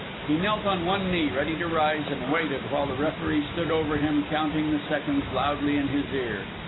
He knelt on one knee, ready to rise, and waited, while the referee stood over him, counting the seconds loudly in his ear.